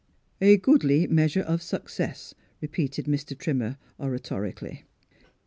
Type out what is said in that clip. " A goodly measure of success," re peated Mr. Trimmer oratorically.